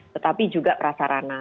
tetapi juga prasarana